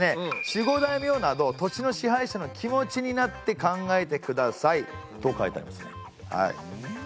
「守護大名など土地の支配者の気持ちになって考えてください」と書いてありますねはい。